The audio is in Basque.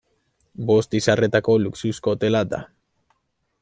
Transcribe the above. Bost izarretako luxuzko hotela da.